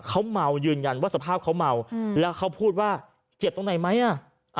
เขาเมายืนยันว่าสภาพเขาเมาแล้วเขาพูดว่าเจ็บตรงไหนไหมอ่ะ